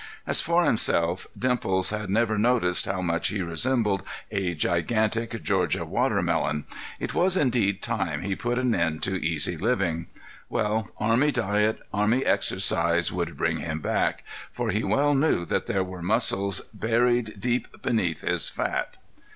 As for himself, Dimples had never noticed how much he resembled a gigantic Georgia watermelon. It was indeed time he put an end to easy living. Well, army diet, army exercise would bring him back, for he well knew that there were muscles buried deep beneath his fat.